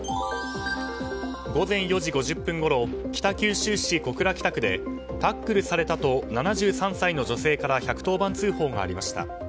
午前４時５０分ごろ北九州市小倉北区でタックルされたと７３歳の女性から１１０番通報がありました。